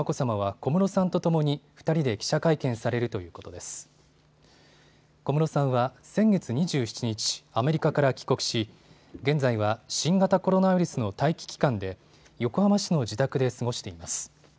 小室さんは先月２７日、アメリカから帰国し現在は新型コロナウイルスの待機期間で横浜市の自宅で過ごしています。